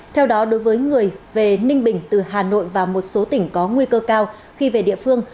theo đó đối với người về ninh bình từ hà nội và một số tỉnh có nguy cơ cao khi về địa phương